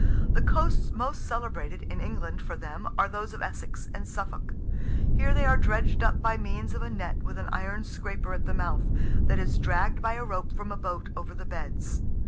The coasts most celebrated, in England, for them, are those of Essex and Suffolk. Here they are dredged up by means of a net with an iron scraper at the mouth, that is dragged by a rope from a boat over the beds.